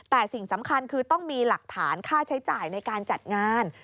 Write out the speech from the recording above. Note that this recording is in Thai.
แต่สิ่งสำคัญคือต้องมีหลักฐานค่าใช้จ่ายในการจัดงาน